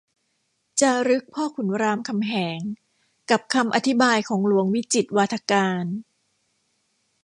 จารึกพ่อขุนรามคำแหง กับคำอธิบายของหลวงวิจิตรวาทการ